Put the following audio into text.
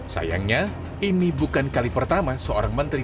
sayangnya ini bukan kali pertama seorang menteri